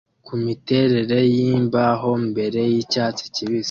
Ku miterere yimbaho mbere yicyatsi kibisi